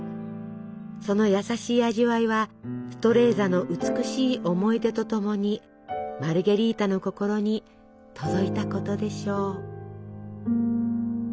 その優しい味わいはストレーザの美しい思い出とともにマルゲリータの心に届いたことでしょう。